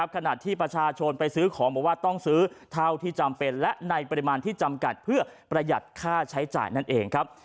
ขณะที่ประชาชนไปซื้อของบอกว่าต้องซื้อเท่าที่จำเป็นและในปริมาณที่จำกัดเพื่อประหยัดค่าใช้จ่ายนั่นเองครับ